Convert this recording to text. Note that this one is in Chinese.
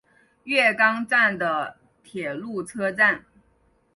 月冈站的铁路车站。